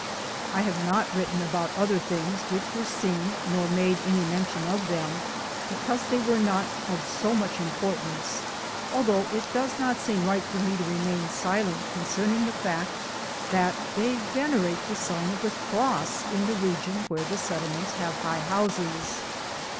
1 I have not written about other things which were Been nor made any mention of them, because they were not of so much importance, although it does not seem right for me to remain silent concerning the fact that they venerate the sign of the cross in the region where the settlements have high houses.